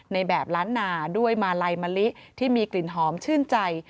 ในแบบล้านนาด้วยมาลัยมะลิที่มีกลิ่นหอมชื่นใจ